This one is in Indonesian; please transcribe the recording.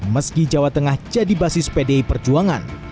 meski jawa tengah jadi basis pdi perjuangan